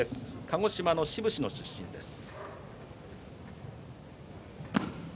鹿児島の志布志市の出身です。